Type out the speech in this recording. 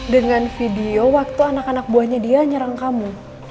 dengan video waktu anak anak buahnya dia nyerang kamu